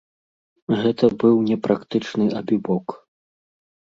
Гэта быў непрактычны абібок.